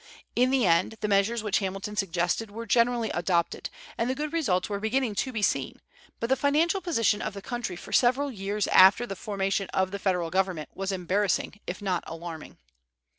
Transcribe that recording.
In the end the measures which Hamilton suggested were generally adopted, and the good results were beginning to be seen, but the financial position of the country for several years after the formation of the Federal government was embarrassing, if not alarming.